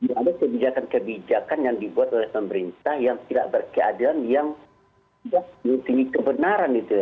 ada kebijakan kebijakan yang dibuat oleh pemerintah yang tidak berkeadilan yang tidak mempunyai kebenaran itu ya